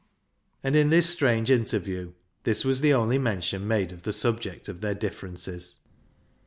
And in this strange interview this was the only mention made of the subject of their differences.